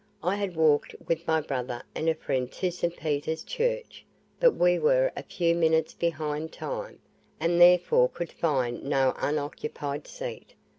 I had walked with my brother and a friend to St. Peter's Church; but we were a few minutes behind time, and therefore could find no unoccupied seat.